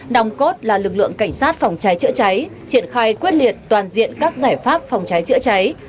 đồng cốt là lực lượng cảnh sát phòng cháy chữa cháy triển khai quyết liệt toàn diện các giải pháp phòng cháy chữa cháy